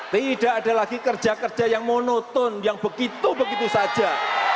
tidak ada lagi kerja kerja yang monoton yang begitu begitu saja